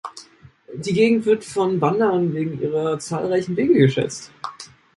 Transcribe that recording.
Die Gegend wird von Wanderern wegen ihrer zahlreichen Wege geschätzt.